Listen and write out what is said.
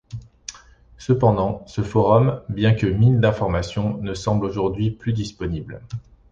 Cependant, ce forum, bien que mine d'information, ne semble aujourd'hui plus disponible.